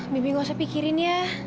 mimpi gak usah pikirin ya